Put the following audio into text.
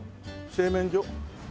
製麺所？